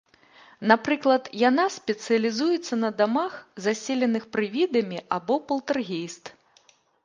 Напрыклад, яна спецыялізуецца на дамах, заселеных прывідамі або палтэргейст.